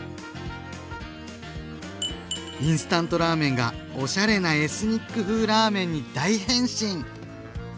インスタントラーメンがおしゃれなエスニック風ラーメンに大変身！